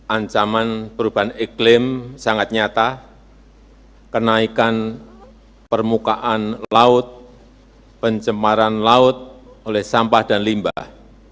ancaman perubahan iklim sangat nyata kenaikan permukaan laut pencemaran laut oleh sampah dan limbah